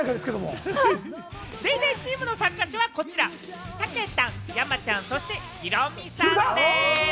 ＤａｙＤａｙ．チームの参加者は、こちら、たけたん、山ちゃん、そしてヒロミさんです。